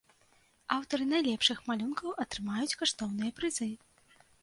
Аўтары найлепшых малюнкаў атрымаюць каштоўныя прызы.